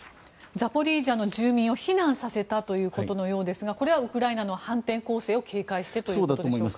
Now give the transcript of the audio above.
ザポリージャの住民を避難させたということのようですがこれはウクライナの反転攻勢を警戒してということでしょうか。